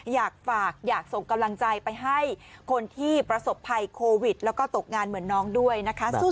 อยากฝากอยากส่งกำลังใจไปให้คนที่ประสบภัยโควิดแล้วก็ตกงานเหมือนน้องด้วยนะคะ